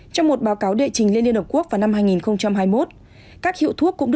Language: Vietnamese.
trong một báo cáo đệ trình lên liên hợp quốc vào năm hai nghìn hai mươi một